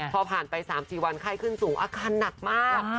พอผ่านไป๓๔วันไข้ขึ้นสูงอาการหนักมาก